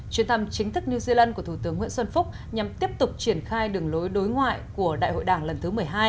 chuyến thăm chính thức new zealand của thủ tướng nguyễn xuân phúc nhằm tiếp tục triển khai đường lối đối ngoại của đại hội đảng lần thứ một mươi hai